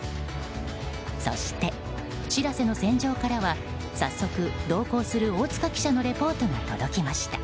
そして「しらせ」の船上からは早速、同行する大塚記者のレポートが届きました。